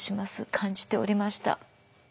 感じておりました。